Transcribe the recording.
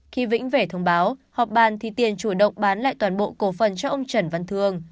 khi vĩnh về thông báo họp bàn thì tiền chủ động bán lại toàn bộ cổ phần cho ông trần văn thương